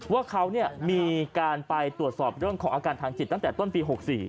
ว่าเขามีการไปตรวจสอบเรื่องของอาการทางจิตตั้งแต่ต้นปี๖๔